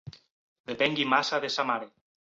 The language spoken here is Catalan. Depengui massa de sa mare.